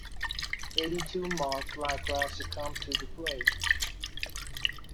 Eighty-two monks likewise succombed to the plague.